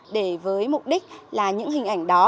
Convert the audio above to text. để với mục đích là những hình ảnh đó